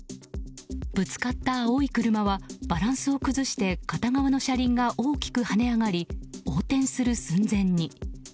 ぶつかった青い車はバランスを崩して片側の車輪が大きく跳ね上がり横転する寸前に。